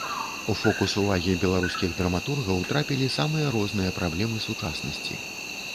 У фокус увагі беларускіх драматургаў трапілі самыя розныя праблемы сучаснасці.